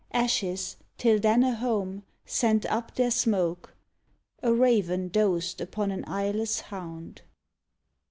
Ashes, till then a home, sent up their smoke: A raven dozed upon an eyeless hound.